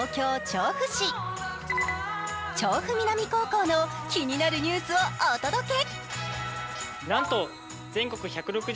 調布南高校の気になるニュースをお届け。